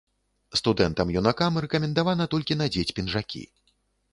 Студэнтам-юнакам рэкамендавана толькі надзець пінжакі.